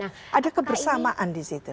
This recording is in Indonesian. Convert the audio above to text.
jadi itu adalah kebersamaan di situ